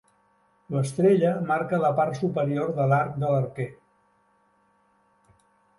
L'estrella marca la part superior de l'arc de l'arquer.